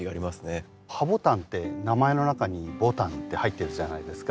ハボタンって名前の中に「ボタン」って入ってるじゃないですか。